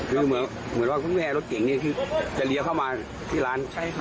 คือเหมือนว่าคุณแม่รถเก่งนี้คือจะเลี้ยวเข้ามาที่ร้าน